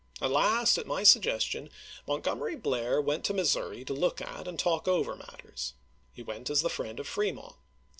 At last, at my suggestion, Montgomery Blair went to Missouri to look at and talk over matters. He went as the friend of Fremont.